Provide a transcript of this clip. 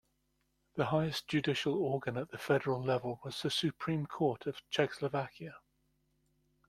The highest judicial organ at the federal level was the Supreme Court of Czechoslovakia.